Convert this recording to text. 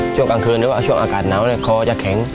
ช่วงกลางคืนหรือว่าช่วงอากาศหนาวคอจะแข็ง